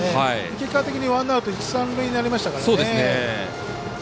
結果的にワンアウト、一、三塁になりましたからね。